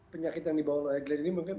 penyakit yang dibawa oleh glenn ini